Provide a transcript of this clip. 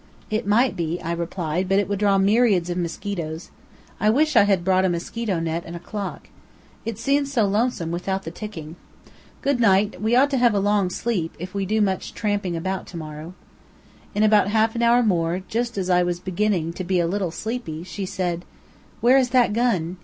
"It might be," I replied; "but it would draw myriads of mosquitoes. I wish I had brought a mosquito net and a clock. It seems so lonesome without the ticking. Good night! We ought to have a long sleep, if we do much tramping about to morrow." In about half an hour more, just as I was beginning to be a little sleepy, she said: "Where is that gun?"